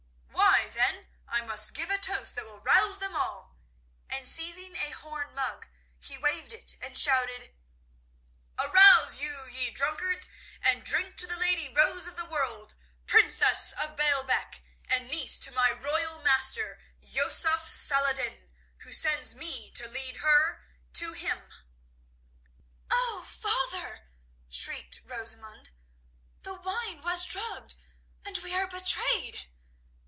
Why, then, I must give a toast that will rouse them all," and seizing a horn mug, he waved it and shouted: "Arouse you, ye drunkards, and drink to the lady Rose of the World, princess of Baalbec, and niece to my royal master, Yusuf Salah ed din, who sends me to lead her to him!" "Oh, father," shrieked Rosamund, "the wine was drugged and we are betrayed!"